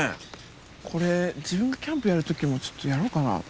これ自分がキャンプやるときもちょっとやろうかな。